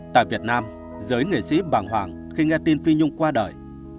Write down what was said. tại việt nam giới nghệ sĩ bàng hoàng khi nghe tin phi nhung qua đời